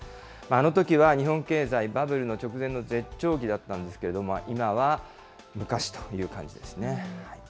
あのときは日本経済、バブルの直前の絶頂期だったんですけど、今は昔という感じですね。